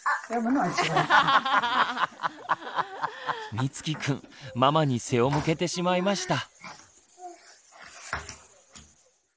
みつきくんママに背を向けてしまいました。